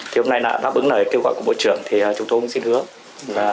thì hôm nay đã bứng nởi kêu gọi của bộ trưởng thì chúng tôi cũng xin hứa